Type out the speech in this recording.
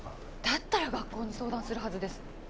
だったら学校に相談するはずです。